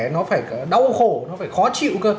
nó phải đau khổ nó phải khó chịu